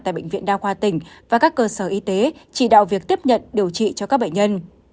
tại bệnh viện đa khoa tỉnh và các cơ sở y tế chỉ đạo việc tiếp nhận điều trị cho các bệnh nhân